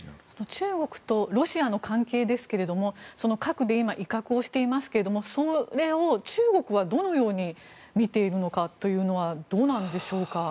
中国とロシアの関係ですけれど核で今、威嚇をしていますがそれを中国は、どのように見ているのかというのはどうなんでしょうか？